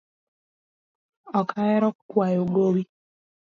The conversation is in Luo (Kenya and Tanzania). Ok ahero kwayo gowi